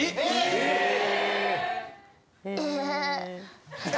え！